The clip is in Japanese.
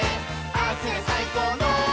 「ああすりゃさいこうの」